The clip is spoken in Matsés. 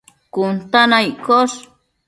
cun ta na iccosh